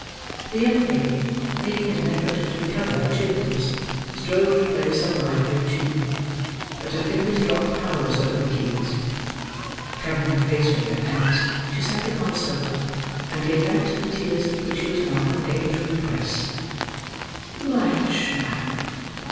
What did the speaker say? The young lady, making an effort to recover her cheerfulness, strove to play some livelier tune; but her fingers dropped powerless over the keys. Covering her face with her hands, she sank upon a sofa, and gave vent to the tears which she was now unable to repress. "My child!"